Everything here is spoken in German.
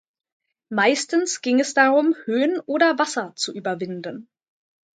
Meistens ging es darum Höhen oder Wasser zu überwinden.